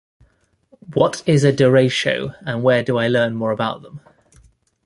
What is a derecho and where do I learn more about them?